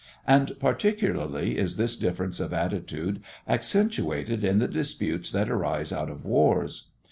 And particularly is this difference of attitude accentuated in the disputes that arise out of wars.